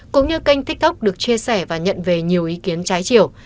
cũng như kênh tiktok được chia sẻ và nhận về nhiều ý kiến trái chiều